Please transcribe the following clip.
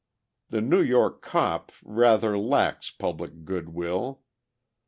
The New York "cop" rather lacks public good will.